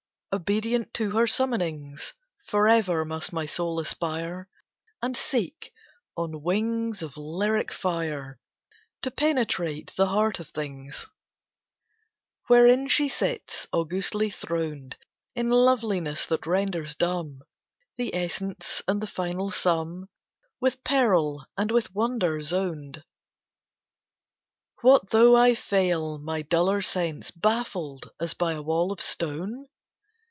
Obedient to her summonings, Forever must my soul aspire, And seek, on wings of lyric fire, To penetrate the Heart of Things, Wherein she sits, augustly throned, In loveliness that renders dumb The Essence and the final Sum With peril and with wonder zoned What though I fail, my duller sense Baffled as by a wall of stone?